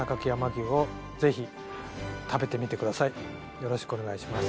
よろしくお願いします